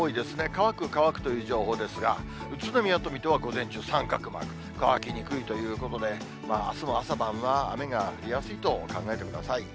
乾く、乾くという情報ですが、宇都宮と水戸は午前中三角マーク、乾きにくいということで、あすも、朝晩は雨が降りやすいと考えてください。